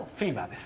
です。